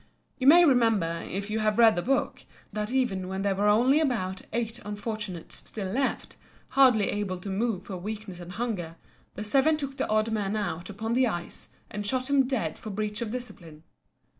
You may remember, if you have read the book, that even when there were only about eight unfortunates still left, hardly able to move for weakness and hunger, the seven took the odd man out upon the ice, and shot him dead for breach of discipline.